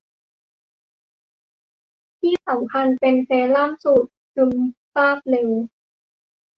ที่สำคัญเป็นเซรั่มสูตรซึมซาบเร็ว